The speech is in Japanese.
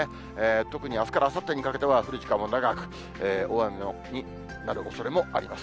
特にあすからあさってにかけては、降る時間も長く、大雨などのおそれもあります。